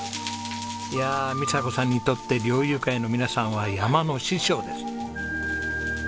いや美佐子さんにとって猟友会の皆さんは山の師匠です。